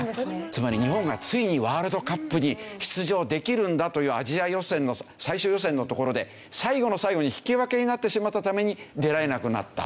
つまり日本がついにワールドカップに出場できるんだというアジア予選の最終予選のところで最後の最後に引き分けになってしまったために出られなくなった。